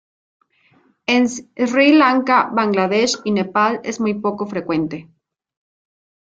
En Sri Lanka, Bangla Desh y Nepal es muy poco frecuente.